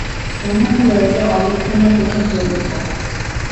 মনে হল এটা অলক্ষণের প্রথম প্রবেশ দ্বার।